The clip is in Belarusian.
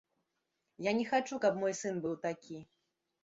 Я не хачу, каб мой сын быў такі.